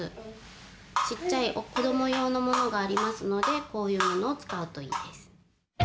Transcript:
ちっちゃいこども用のものがありますのでこういうものを使うといいです。